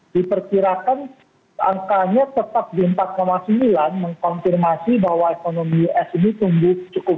diperkirakan angkanya tetap di empat sembilan mengkonfirmasi bahwa ekonomi us ini tumbuh cukup